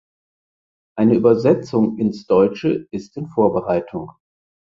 Eine Übersetzung ins Deutsche ist in Vorbereitung.